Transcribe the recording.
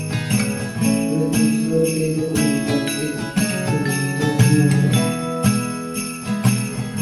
Precursores del documental etnográfico.